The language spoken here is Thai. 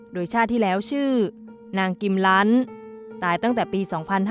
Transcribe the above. โดยชาติที่แล้วชื่อนางกิมลันตายตั้งแต่ปี๒๕๕๙